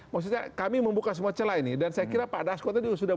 maksudnya kami membuka semua celah ini dan saya kira pak das kota juga sudah